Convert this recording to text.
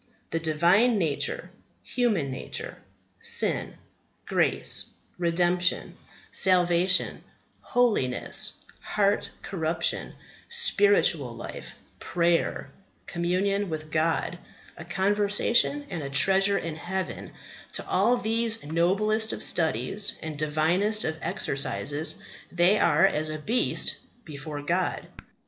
The Divine Nature, human nature, sin, grace, redemption, salvation, holiness, heart corruption, spiritual life, prayer, communion with God, a conversation and a treasure in heaven, to all these noblest of studies and divinest of exercises they are as a beast before God.